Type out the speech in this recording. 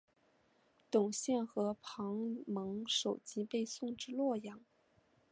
董宪和庞萌首级被送至洛阳。